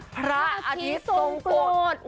พระอาทิตย์ทรงโกรธ